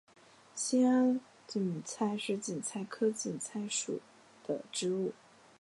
兴安堇菜是堇菜科堇菜属的植物。